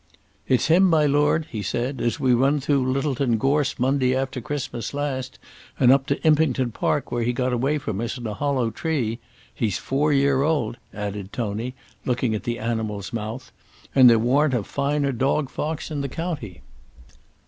"It's him, my lord," he said, "as we run through Littleton gorse Monday after Christmas last, and up to Impington Park where he got away from us in a hollow tree. He's four year old," added Tony, looking at the animal's mouth, "and there warn't a finer dog fox in the county."